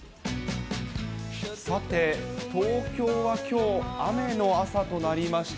さて、東京はきょう、雨の朝となりました。